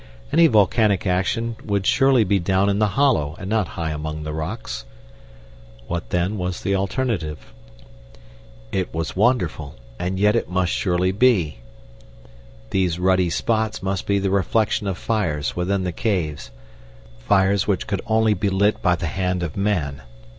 Any volcanic action would surely be down in the hollow and not high among the rocks. What, then, was the alternative? It was wonderful, and yet it must surely be. These ruddy spots must be the reflection of fires within the caves fires which could only be lit by the hand of man.